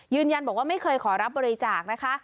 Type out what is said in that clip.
ยืนยันบอกว่าไม่เคยขอรับบริจาคนะคะ